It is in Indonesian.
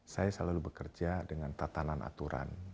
saya selalu bekerja dengan tatanan aturan